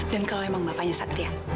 dan kalau emang bapaknya satria